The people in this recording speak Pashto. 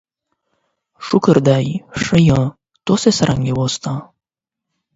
شکر دی، ښه یم، تاسو څنګه یاست؟